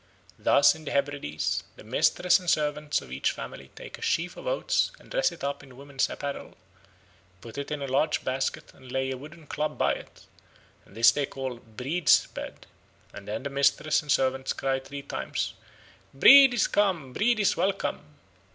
Thus in the Hebrides "the mistress and servants of each family take a sheaf of oats, and dress it up in women's apparel, put it in a large basket and lay a wooden club by it, and this they call Briid's bed; and then the mistress and servants cry three times, 'Briid is come, Briid is welcome.'